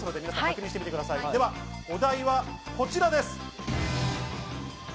お題はこちらです。